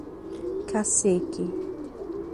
Cacequi